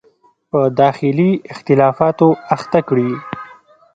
په داخلي اختلافاتو اخته کړي.